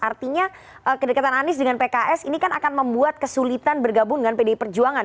artinya kedekatan anies dengan pks ini kan akan membuat kesulitan bergabung dengan pdi perjuangan